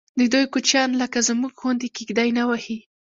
ددوی کوچیان لکه زموږ غوندې کېږدۍ نه وهي.